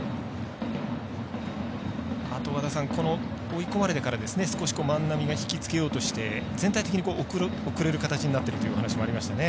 追い込まれてから少し万波が引きつけようとして全体的に遅れる形になっているというお話もありましたね。